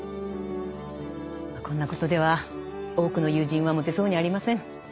こんなことでは多くの友人は持てそうにありません。